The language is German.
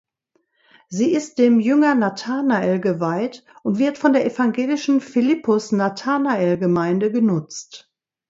Sie ist dem Jünger Nathanael geweiht und wird von der evangelischen Philippus-Nathanael-Gemeinde genutzt.